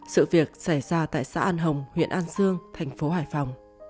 sự việc xảy ra tại xã an hồng huyện an dương thành phố hải phòng